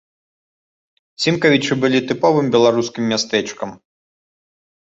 Цімкавічы былі тыповым беларускім мястэчкам.